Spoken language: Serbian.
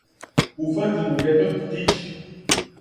Ухвати му једног птића,